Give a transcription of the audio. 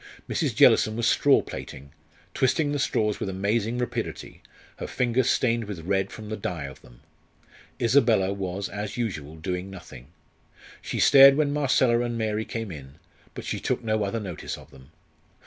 Mrs. Jellison was straw plaiting, twisting the straws with amazing rapidity, her fingers stained with red from the dye of them. Isabella was, as usual, doing nothing. She stared when Marcella and Mary came in, but she took no other notice of them.